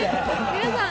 皆さん